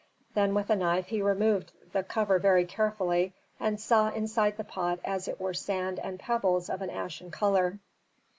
Then with a knife he removed the cover very carefully and saw inside the pot as it were sand and pebbles of an ashen color.